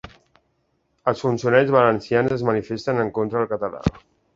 Els funcionaris valencians es manifesten en contra del català